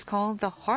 はい。